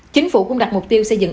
chính phủ cũng đặt mục tiêu xây dựng